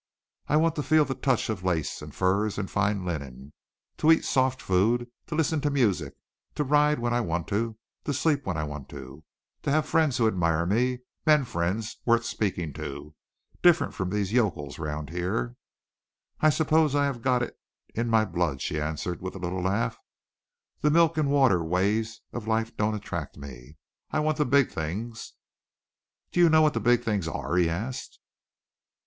I want to feel the touch of lace and furs and fine linen, to eat soft food, to listen to music, to ride when I want to, to sleep when I want to, to have friends who admire me, men friends worth speaking to, different from these yokels round here. I suppose I have got it in my blood," she added, with a little laugh. "The milk and water ways of life don't attract me. I want the big things." "Do you know what the big things are?" he asked.